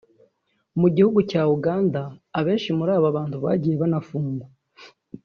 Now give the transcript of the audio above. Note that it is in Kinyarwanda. mu gihugu cya Uganda abenshi muri aba bantu bagiye banafungwa